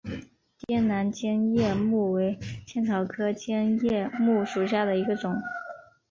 滇南尖叶木为茜草科尖叶木属下的一个种。